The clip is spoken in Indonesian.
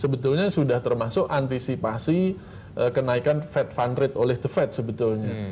sebetulnya sudah termasuk antisipasi kenaikan fed fund rate oleh the fed sebetulnya